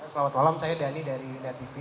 selamat malam saya dhani dari tv